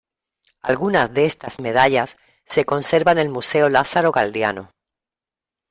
Alguna de estas medallas se conserva en el Museo Lázaro Galdiano.